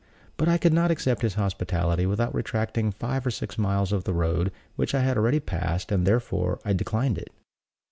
But I could not accept his hospitality without retracing five or six miles of the road which I had already passed, and therefore I declined it.